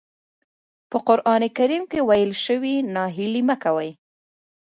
په قرآن کريم کې ويل شوي ناهيلي مه کوئ.